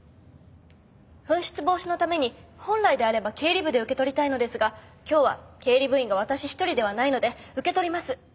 紛失防止のために本来であれば経理部で受け取りたいのですが今日は経理部員が私一人ではないので受け取ります。